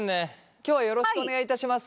今日はよろしくお願いいたします。